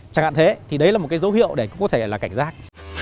chẳng hạn thế thì đấy là một cái dấu hiệu để có thể là cảnh giác